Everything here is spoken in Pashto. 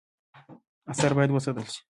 آثار باید وساتل شي